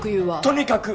とにかく。